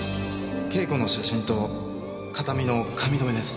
慶子の写真と形見の髪留めです。